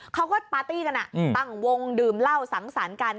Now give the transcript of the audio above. เขาก็ปาร์ตี้กันตั้งวงดื่มเหล้าสังสรรค์กัน